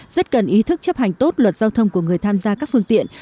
rất cần ý thức chấp hành tốt luật giao thông của người tham gia các phương tiện